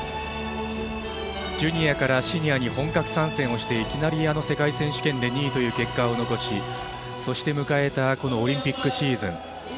ジュニアからシニアに本格参戦をしていきなり世界選手権で２位という結果を残しそして迎えたオリンピックシーズン。